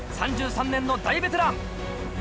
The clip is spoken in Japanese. ３３年の大ベテラン。